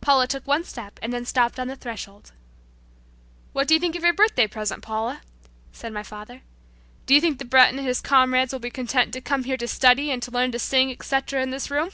Paula took one step, and then stopped on the threshold. "What do you think of your birthday present, Paula?" said my father. "Do you think the Breton and his comrades will be content to come here to study and to leam to sing, etc., in this room?"